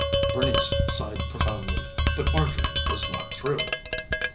Bernice sighed profoundly, but Marjorie was not through.